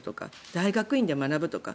大学院で学ぶとか。